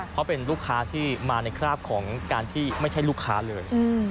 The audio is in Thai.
เพราะเป็นลูกค้าที่มาในคราบของการที่ไม่ใช่ลูกค้าเลย